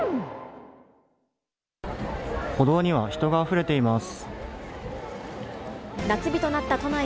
歩道には人があふれています。